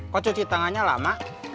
kok cuci tangannya lama